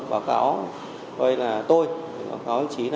báo cáo tôi